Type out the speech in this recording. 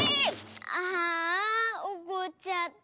ああおこっちゃった。